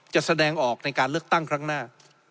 แสดงออกในการเลือกตั้งครั้งหน้า